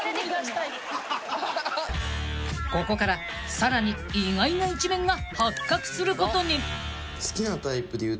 ［ここからさらに意外な一面が発覚することに］